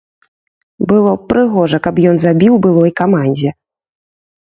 Было б прыгожа, каб ён забіў былой камандзе.